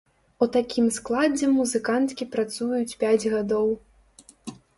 У такім складзе музыканткі працуюць пяць гадоў.